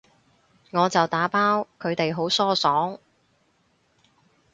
我就打包，佢哋好疏爽